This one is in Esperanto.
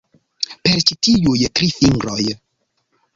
Per ĉi tiuj tri fingroj.